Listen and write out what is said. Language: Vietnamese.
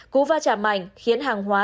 cú va trả mảnh khiến hàng hóa